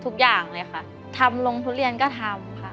ทุกอย่างเลยค่ะทำลงทุเรียนก็ทำค่ะ